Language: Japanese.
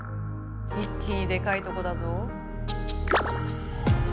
一気にでかいとこだぞ。